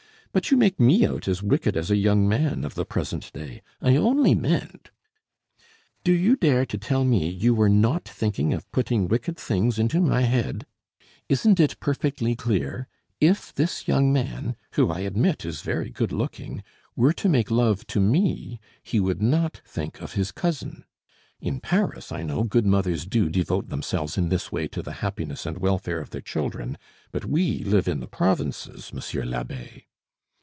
"But you make me out as wicked as a young man of the present day; I only meant " "Do you dare to tell me you were not thinking of putting wicked things into my head? Isn't it perfectly clear? If this young man who I admit is very good looking were to make love to me, he would not think of his cousin. In Paris, I know, good mothers do devote themselves in this way to the happiness and welfare of their children; but we live in the provinces, monsieur l'abbe."